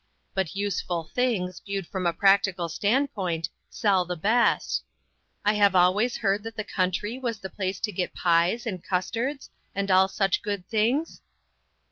But useful things, viewed from a practical standpoint, sell the best. I have always heard that the country was the place to get pies, and cus tards, and all such good things?"